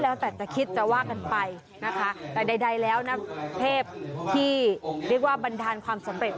แล้วแต่จะคิดจะว่ากันไปนะคะแต่ใดแล้วนะเทพที่เรียกว่าบันดาลความสำเร็จ